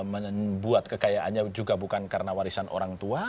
membuat kekayaannya juga bukan karena warisan orang tua